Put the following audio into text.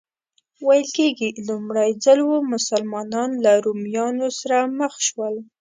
ویل کېږي لومړی ځل و مسلمانان له رومیانو سره مخ شول.